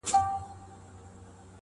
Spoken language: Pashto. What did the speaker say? لكه د دوو جنـــــــگ.